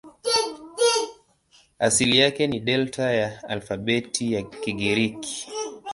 Asili yake ni Delta ya alfabeti ya Kigiriki.